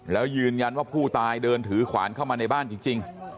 แล้วยืนยันว่าผู้ตายเดินถือขวานเข้ามาในบ้านจริง